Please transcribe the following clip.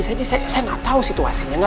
saya gak tau situasinya